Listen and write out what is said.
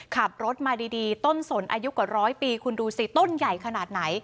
ขับรถมาดีต้นสนอายุกว่าร้อยปีคุณดูสิต้นใหญ่ขนาดไหน